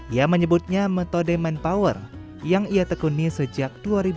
ia menyebutnya metode manpower yang ia tekuni sejak dua ribu